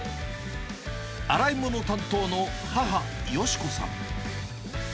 洗い物担当の母、芳子さん。